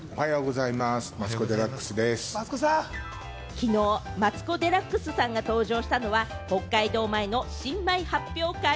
きのうマツコ・デラックスさんが登場したのは北海道米の新米発表会。